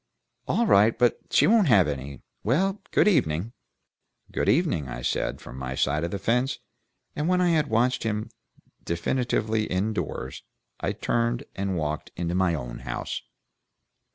"All right. But she won't have any. Well, good evening." "Good evening," I said from my side of the fence; and when I had watched him definitively in doors, I turned and walked into my own house.